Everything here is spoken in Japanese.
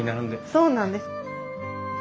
そうなんです。